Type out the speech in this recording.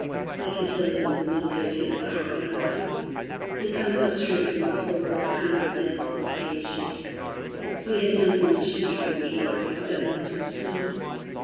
I can tell you, the wind there takes the heart out of you. It comes up straight from the Pole, with a kind of yell which scares you. We had nothing much to drink, either, except melted snow.